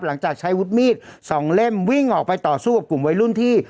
หลังจากใช้วุฒิมีดสองเล่มวิ่งออกไปต่อสู้กับกลุ่มวัยรุ่นที่